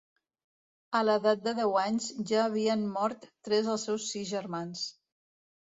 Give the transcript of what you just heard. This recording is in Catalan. A l'edat de deu anys ja havien mort tres dels seus sis germans.